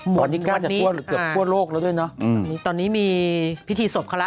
หมดวันนี้อ่าอืมอืมตอนนี้มีพิธีศพเขาล่ะ